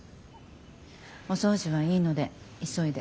お掃除はいいので急いで。